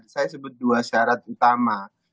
saya sebut dua syarat utama